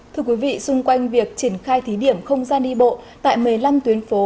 thưa quý vị xung quanh việc triển khai thí điểm không gian đi bộ tại một mươi năm tuyến phố